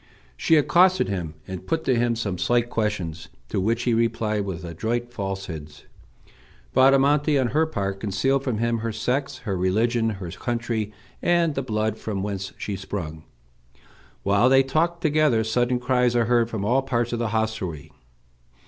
She accosted him, and put to him some slight questions, to which he replied with adroit falsehoods. Bradamante, on her part, concealed from him her sex, her religion, her country, and the blood from whence she sprung. While they talk together, sudden cries are heard from all parts of the hostelry.